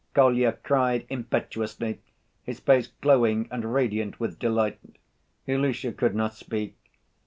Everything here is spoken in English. Kolya cried impetuously, his face glowing and radiant with delight. Ilusha could not speak.